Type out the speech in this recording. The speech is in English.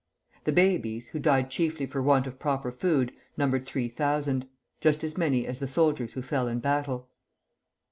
The babies, who died chiefly for want of proper food, numbered three thousand, just as many as the soldiers who fell in battle.